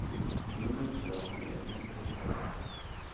Die Jungen verlassen die Eltern im September.